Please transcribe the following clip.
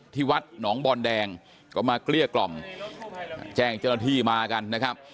ที่วัดหนองบอนแดงก็มาเกลี้ยกล่อมแจ้งเจ้าหน้าที่มากันนะครับ